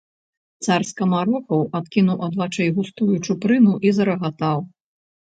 Цар скамарохаў адкінуў ад вачэй густую чупрыну і зарагатаў.